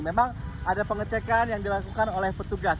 memang ada pengecekan yang dilakukan oleh petugas